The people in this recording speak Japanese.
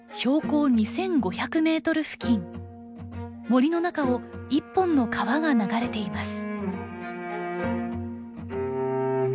森の中を一本の川が流れています。